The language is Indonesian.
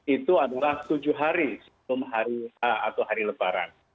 itu adalah tujuh hari setelah hari lebaran